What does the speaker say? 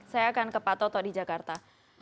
saya akan ke pak toto di jakarta